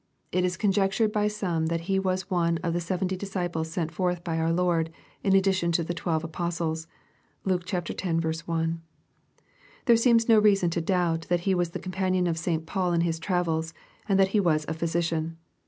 It is conjectured by some that he was one of the seventy disciples sent forth by our Lord, in addition to the twelve apostles. (Luke z. 1.) There seems no reason to doubt that he was the companion of St Paul in his travels, and that he was a " physician."